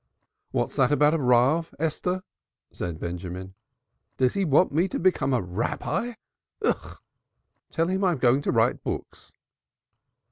"What's that about a Rav, Esther?" said Benjamin. "Does he want me to become a Rabbi Ugh! Tell him I'm going to write books."